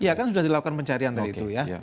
iya kan sudah dilakukan pencarian tadi itu ya